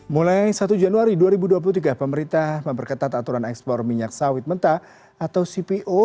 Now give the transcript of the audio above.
mulai satu januari dua ribu dua puluh tiga pemerintah memperketat aturan ekspor minyak sawit mentah atau cpo